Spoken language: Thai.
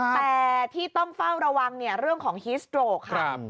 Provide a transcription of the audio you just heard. แต่ที่ต้องเฝ้าระวังเนี่ยเรื่องของฮีสโตรกค่ะ